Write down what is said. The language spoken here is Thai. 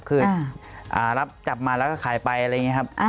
คือรับจับมาแล้วก็ขายไปอะไรอย่างนี้ครับ